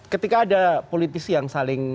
ketika ada politisi yang saling